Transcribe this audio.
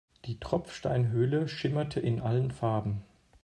Die Tropfsteinhöhle schimmerte in allen Farben.